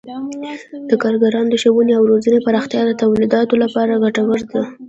د کارګرانو د ښوونې او روزنې پراختیا د تولیداتو لپاره ګټوره ده.